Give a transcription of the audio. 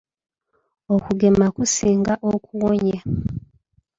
Okugema kusinga okuwonya.